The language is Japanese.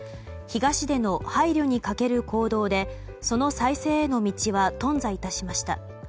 東出の配慮に欠ける行動でその再生への道はとん挫致しました。